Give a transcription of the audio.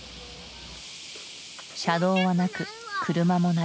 車道はなく車もない。